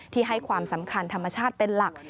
ให้ความสำคัญธรรมชาติเป็นหลัก